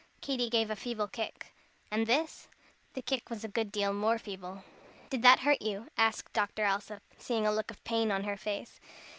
Katy gave a feeble kick. "And this?" The kick was a good deal more feeble. "Did that hurt you?" asked Dr. Alsop, seeing a look of pain on her face.